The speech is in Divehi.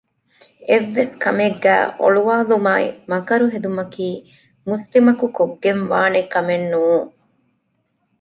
އެއްވެސްކަމެއްގައި އޮޅުވައިލުމާއި މަކަރުހެދުމަކީ މުސްލިމަކު ކޮށްގެންވާނެކަމެއްނޫން